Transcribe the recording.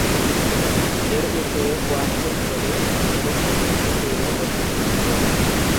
এর উত্তরে কুয়াংতুং প্রদেশ এবং দক্ষিণ ও পূর্বে দক্ষিণ চীন সাগর।